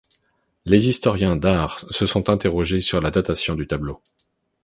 Les historiens d'art se sont interrogés sur la datation du tableau.